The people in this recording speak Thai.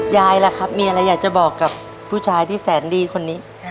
ล่ะครับมีอะไรอยากจะบอกกับผู้ชายที่แสนดีคนนี้